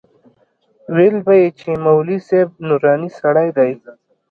ويل به يې چې مولوي صاحب نوراني سړى دى.